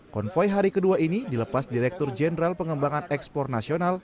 konvoy hari kedua ini dilepas direktur jenderal pengembangan ekspor nasional